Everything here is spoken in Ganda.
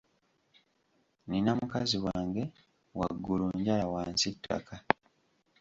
Nina mukazi wange, waggulu njala wansi ttaka.